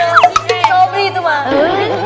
sobri itu mak